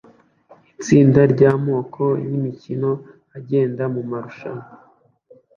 Itsinda ryamoko yimikino agenda mumarushanwa